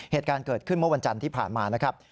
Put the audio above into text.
เหตุการณ์เกิดขึ้นเมื่อวันจันทร์ที่ผ่านมานะครับ